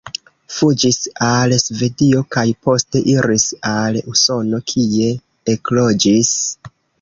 Fuĝis al Svedio kaj poste iris al Usono, kie ekloĝis.